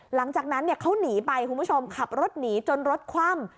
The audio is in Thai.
หลังจากนั้นเขาหนีไปคุณผู้ชมขับรถหนีจนรถคว่ำ